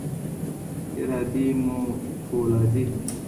ارادې مو فولادي.